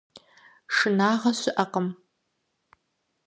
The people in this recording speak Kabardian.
Шынагъэ щыӀэкъым.